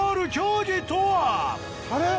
あれ？